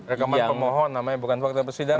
rekaman pemohon namanya bukan fakta persidangan